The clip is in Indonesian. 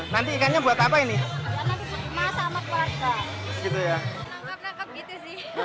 nangkep nangkep gitu sih